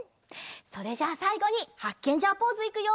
それじゃあさいごにハッケンジャーポーズいくよ！